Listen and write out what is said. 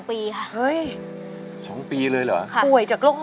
๒ปีค่ะเฮ้ย๒ปีเลยเหรอ